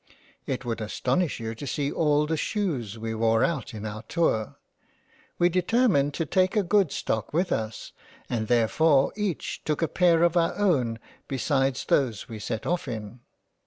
It would astonish you to see all the Shoes we wore out in our Tour. We determined to take a good Stock with us and therefore each took a pair of our own besides those we set off in.